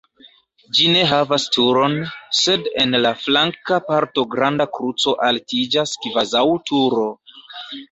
Ĝi ne havas turon, sed en la flanka parto granda kruco altiĝas kvazaŭ turo.